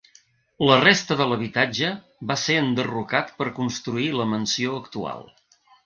La resta de l'habitatge va ser enderrocat per construir la mansió actual.